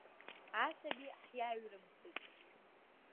Асаби ҳиаҩрымхит.